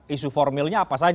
isu formilnya apa saja